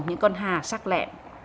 những con hà sắc lẹ